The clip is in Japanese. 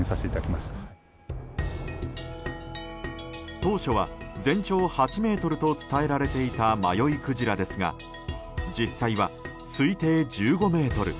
当初は全長８ｍと伝えられていた迷いクジラですが実際は推定１５ｍ。